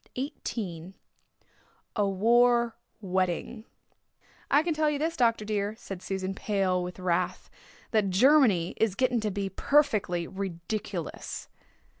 CHAPTER XVIII A WAR WEDDING "I can tell you this Dr. dear," said Susan, pale with wrath, "that Germany is getting to be perfectly ridiculous."